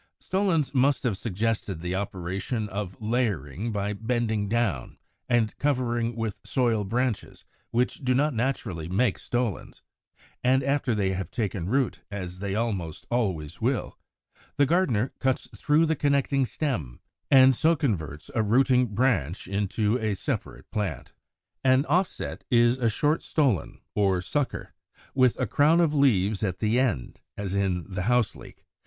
Stolons must have suggested the operation of layering by bending down and covering with soil branches which do not naturally make stolons; and after they have taken root, as they almost always will, the gardener cuts through the connecting stem, and so converts a rooting branch into a separate plant. 96. =An Offset= is a short stolon, or sucker, with a crown of leaves at the end, as in the Houseleek (Fig.